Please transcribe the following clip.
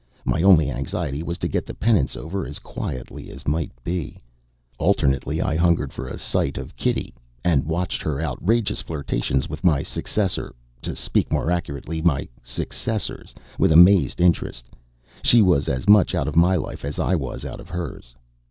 My only anxiety was to get the penance over as quietly as might be. Alternately I hungered for a sight of Kitty and watched her outrageous flirtations with my successor to speak more accurately, my successors with amused interest. She was as much out of my life as I was out of hers.